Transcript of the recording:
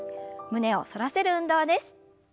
胸を反らせる運動です。